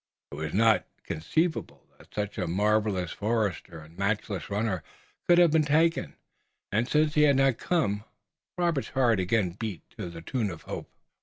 It was not conceivable that such a marvelous forester and matchless runner could have been taken, and, since he had not come, Robert's heart again beat to the tune of hope.